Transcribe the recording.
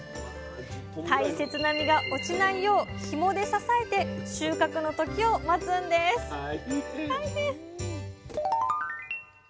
大切な実が落ちないようひもで支えて収穫の時を待つんです大変。